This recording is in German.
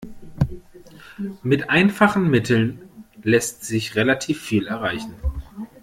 Mit einfachen Mitteln lässt sich relativ viel erreichen.